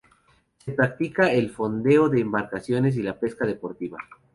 Se practica el fondeo de embarcaciones y la pesca deportiva.